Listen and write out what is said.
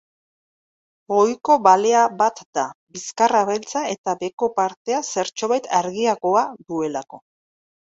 Ohiko balea bat da, bizkarra beltza eta beheko partea zertxobait argiagoa duelako.